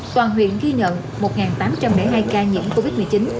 toàn huyện ghi nhận một tám trăm linh hai ca nhiễm covid một mươi chín